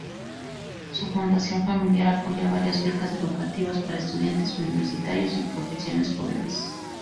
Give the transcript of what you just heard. Su fundación familiar apoya varias becas educativas para estudiantes universitarios y profesiones jóvenes.